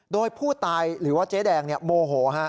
โดยผู้ตายหรือว่าเจ๊แดงโมโห